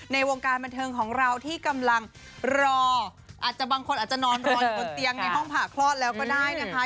ในวงการบันเทิงของเราที่กำลังรออาจจะบางคนอาจจะนอนรออยู่บนเตียงในห้องผ่าคลอดแล้วก็ได้นะคะ